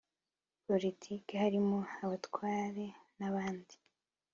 politike harimo abatwaren’abandi.